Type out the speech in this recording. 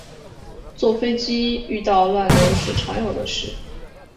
坐飞机遇到乱流是常有的事